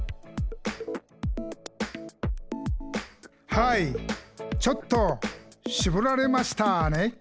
「はいちょっとしぼられましたね」